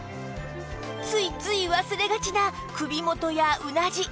ついつい忘れがちな首元やうなじ